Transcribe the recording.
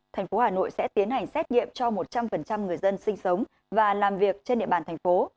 thành phố hà nội sẽ tiến hành xét nghiệm cho một trăm linh người dân sinh sống và làm việc trên địa bàn thành phố